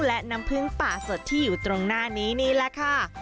และน้ำผึ้งป่าสดที่อยู่ตรงหน้านี้นี่แหละค่ะ